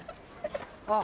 あっ。